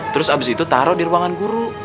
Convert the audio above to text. terus abis itu taruh di ruangan guru